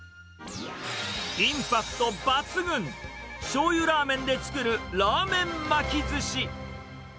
インパクト抜群、しょうゆラーメンで作るラーメン巻きずし。